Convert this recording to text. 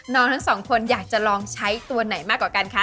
ทั้งสองคนอยากจะลองใช้ตัวไหนมากกว่ากันคะ